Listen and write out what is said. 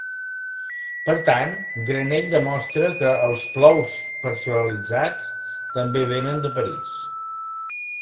Per tant Granell demostra que els “plous” personalitzats també venen de París.